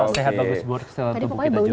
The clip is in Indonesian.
sehat bagus buat tubuh kita juga